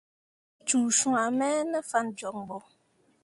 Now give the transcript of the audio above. Mu cuu swãme ne fan joŋ bo.